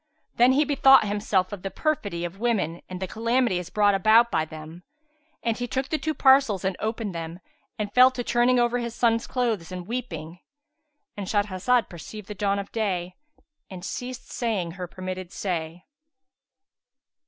Then he bethought himself of the perfidy of women and the calamities brought about by them; and he took the two parcels and opened them and fell to turning over his sons' clothes and weeping,—And Shahrazed perceived the dawn of day and ceased saying her permitted say.